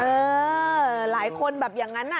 เออหลายคนแบบอย่างนั้นน่ะ